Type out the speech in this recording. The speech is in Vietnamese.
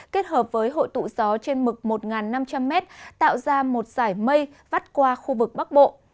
kết hợp với hội tụ gió trên mực một năm trăm linh m tạo ra một giải mây vắt qua khu vực bắc bộ